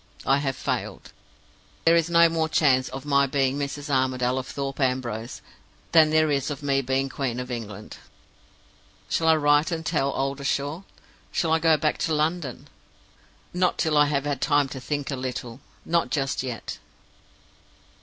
I have failed. There is no more chance of my being Mrs. Armadale of Thorpe Ambrose than there is of my being Queen of England. "Shall I write and tell Oldershaw? Shall I go back to London? Not till I have had time to think a little. Not just yet.